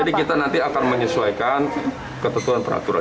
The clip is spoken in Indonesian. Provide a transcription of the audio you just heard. jadi kita nanti akan menyesuaikan ketentuan peraturan